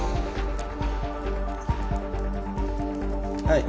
はい。